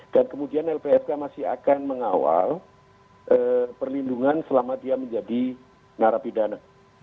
dan kemudian lpsk masih akan mengawal perlindungan selama dia menjadi narapidana